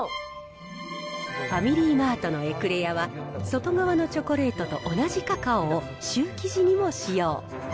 ファミリーマートのエクレアは、外側のチョコレートと同じカカオをシュー生地にも使用。